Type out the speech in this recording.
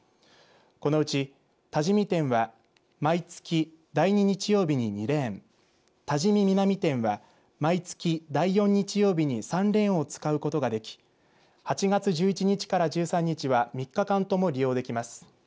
このうち多治見店は毎月、第２日曜日に２レーン多治見南店は毎月第４日曜日に３レーンを使うことができ８月１１日から１３日は３日間とも利用できます。